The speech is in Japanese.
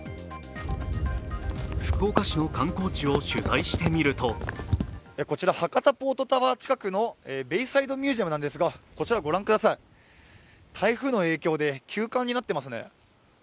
福岡市の観光地を取材してみるとこちら、博多ポートタワー近くのベイサイドミュージアムですが、こちらご覧ください、台風の影響で休館になっていますね。